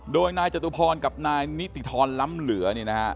โดยนายจตุพรกับนายนิติธรรมล้ำเหลือ